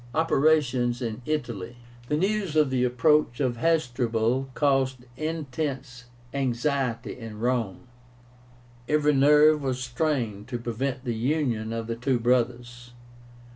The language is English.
OPERATIONS IN ITALY. The news of the approach of Hasdrubal caused intense anxiety at Rome. Every nerve was strained to prevent the union of the two brothers.